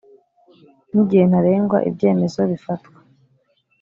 n igihe ntarengwa ibyemezo bifatwa